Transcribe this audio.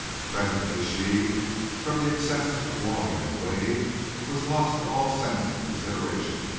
Presently she, from the excess of longing and waiting was lost to all sense of consideration.